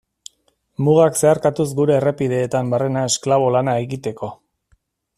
Mugak zeharkatuz gure errepideetan barrena esklabo lana egiteko.